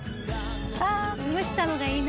あ蒸したのがいいな。